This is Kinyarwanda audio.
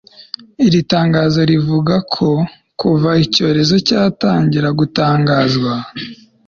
iri tangazo rivuga ko kuva icyorezo cyatangira gutangazwa